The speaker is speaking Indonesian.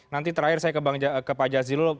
nanti terakhir saya ke pak jazilul